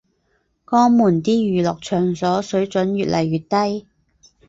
江門啲娛樂場所水準越來越低